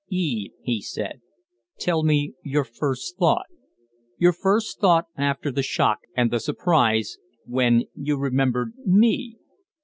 "Eve," he said, "tell me your first thought? Your first thought after the shock and the surprise when you remembered me?"